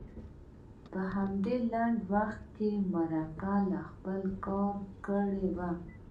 په همدې لنډ وخت کې مرګي خپل کار کړی و.